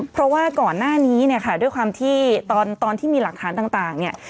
เพราะว่าก่อนหน้านี้เนี่ยค่ะด้วยความที่ตอนที่มีหลักฐานต่างเนี่ย